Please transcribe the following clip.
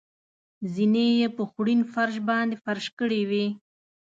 زېنې یې په خوړین فرش باندې فرش کړې وې.